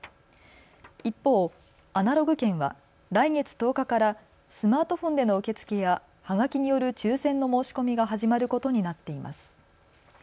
一方、アナログ券は来月１０日からスマートフォンでの受け付けやはがきによる抽せんの申し込みが始まることになっています。